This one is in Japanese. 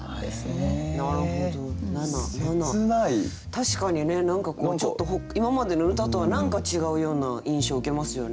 確かにね何かちょっと今までの歌とは何か違うような印象受けますよね。